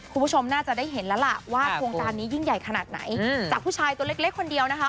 คุณผู้ชมน่าจะได้เห็นแล้วล่ะว่าโครงการนี้ยิ่งใหญ่ขนาดไหนจากผู้ชายตัวเล็กคนเดียวนะคะ